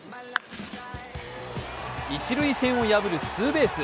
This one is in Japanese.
一塁線を破るツーベース。